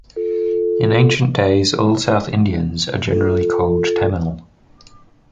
In ancient days all south Indians are generally called Tamil.